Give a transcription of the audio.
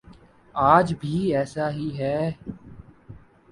آج بھی ایسا ہی ہے۔